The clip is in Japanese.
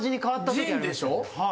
「陣」でしょ？